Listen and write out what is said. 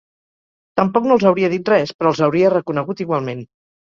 Tampoc no els hauria dit res, però els hauria reconegut igualment.